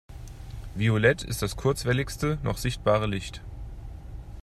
Violett ist das kurzwelligste noch sichtbare Licht.